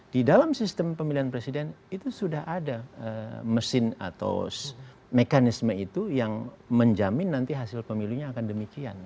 di dalam sistem pemilihan presiden itu sudah ada mesin atau mekanisme itu yang menjamin nanti hasil pemilunya akan demikian